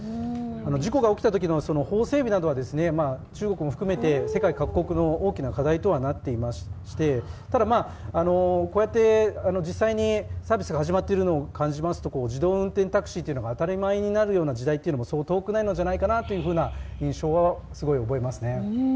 事故が起きたときの法整備などは中国も含めて世界各国の課題とはなっていまして、ただ、こうやって実際にサービスが始まっているのを感じますと自動運転タクシーが当たり前になる時代もそう遠くはないという印象はすごい覚えますね。